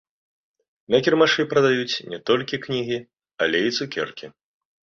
На кірмашы прадаюць не толькі кнігі, але і цукеркі.